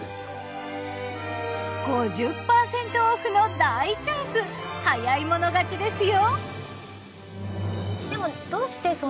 ５０％オフの大チャンス早い者勝ちですよ！